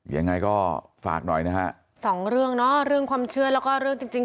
ยังไงก็ฝากหน่อยนะฮะสองเรื่องเนอะเรื่องความเชื่อแล้วก็เรื่องจริงจริง